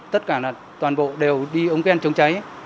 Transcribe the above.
tất cả toàn bộ đều đi ống khen chống cháy